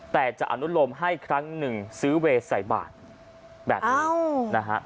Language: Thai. แต่จะอนุโลมให้ครั้งหนึ่งซื้อเวย์ใส่บาทแบบนี้นะฮะ